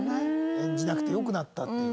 演じなくてよくなったっていう。